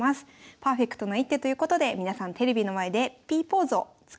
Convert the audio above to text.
パーフェクトな一手ということで皆さんテレビの前でＰポーズを作ってください。